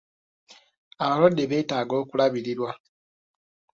Abalwadde betaaga okulabirirwa.